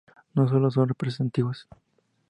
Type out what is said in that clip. no solo no son representativos